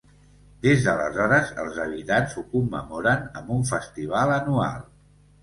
Des d'aleshores, els habitants ho commemoren amb un festival anual.